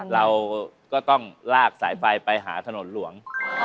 เราก็ต้องลากสายไฟไปหาถนนหลวง